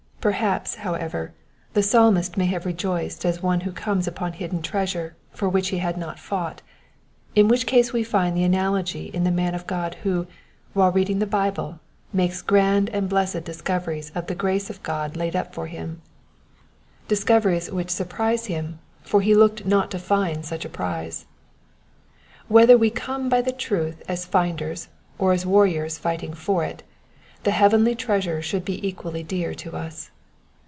Perhaps, however, the Psalmist may have rejoiced as one who comes upon hidden treasure for which he had not fought, in which case we find the analogy in the man of God who, while reading the Bible, makes grand and blessed discoveries of the grace of God laid up for him, — discoveries which surprise Digitized by VjOOQIC 334 EXPOSITIONS OF THE PSALMS. • him, for he looked not to find such a prize. Whether we come by the truth as finders or as warriors fighting for it, the heavenly treasure should be equally dear to us.